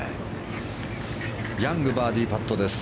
ヤング、バーディーパットです。